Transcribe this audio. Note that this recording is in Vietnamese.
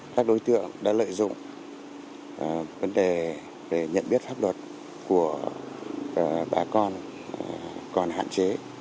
các đối tượng đã lợi dụng vấn đề để nhận biết pháp luật của bà con con hạn chế